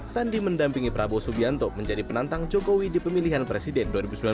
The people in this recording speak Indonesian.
sandi mendampingi prabowo subianto menjadi penantang jokowi di pemilihan presiden dua ribu sembilan belas